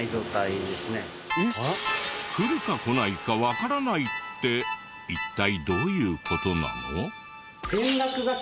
来るか来ないかわからないって一体どういう事なの？